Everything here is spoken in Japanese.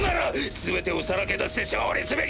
全てをさらけ出して勝利すべきものを！